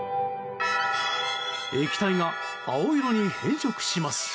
液体が青色に変色します。